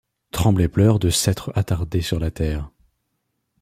Tremble et pleure de s'être attardé sur la terre.